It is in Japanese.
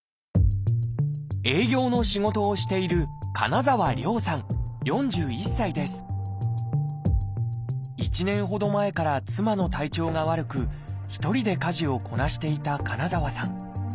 営業の仕事をしている１年ほど前から妻の体調が悪く一人で家事をこなしていた金澤さん。